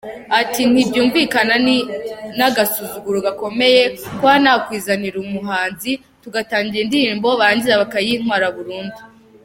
Ati “Ntibyumvikana, ni n’agasuzuguro gakomeye kuba nakwizanira umuhanzi tugatangira indirimbo barangiza bakayintwara burundu.